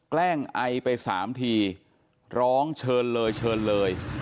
แกล้งไอไป๓ทีร้องเชิญเลยเชิญเลย